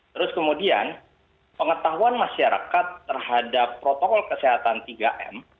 terus kemudian pengetahuan masyarakat terhadap protokol kesehatan tiga m